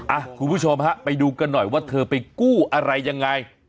คุณผู้ชมฮะไปดูกันหน่อยว่าเธอไปกู้อะไรยังไง